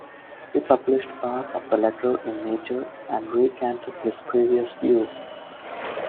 He published part of the letter in "Nature" and recanted his previous views.